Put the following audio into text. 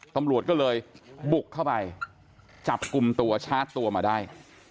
ตำรวจก็เลยบุกเข้าไปจับกลุ่มตัวชาร์จตัวมาได้